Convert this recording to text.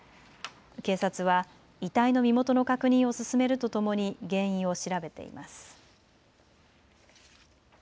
警察は遺体の身元の確認を進めるとともに原因を調べています。